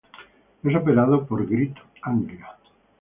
Es operado por Greater Anglia.